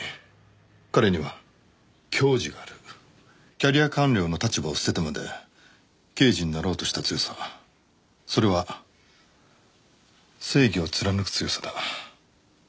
「キャリア官僚の立場を捨ててまで刑事になろうとした強さそれは正義を貫く強さだ」